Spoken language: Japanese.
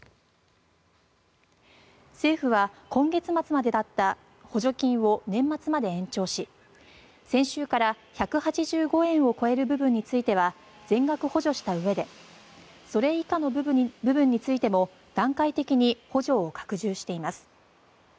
政府は今月末までだった補助金を年末まで延長し先週から１８５円を超える部分については全額補助したうえでそれ以下の部分についても段階的に補助を拡充しています。